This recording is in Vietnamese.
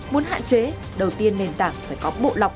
muốn hạn chế đầu tiên nền tảng phải có bộ lọc